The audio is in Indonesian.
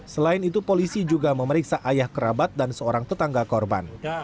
selain itu polisi juga memeriksa ayah kerabat dan seorang tetangga korban